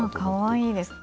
かわいいです。